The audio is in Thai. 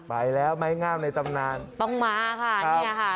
ไปแล้วไม้งามในตำนานต้องมาค่ะเนี่ยค่ะ